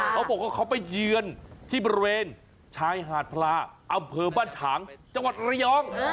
เขาบอกว่าเขาไปเยือนที่บริเวณชายหาดพลาอำเภอบ้านฉางจังหวัดระยอง